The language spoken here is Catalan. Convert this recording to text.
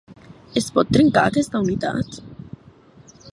Es pot trencar aquesta unitat?